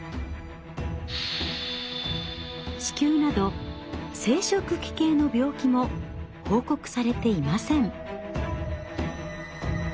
子宮など生殖器系の病気も報告されていません。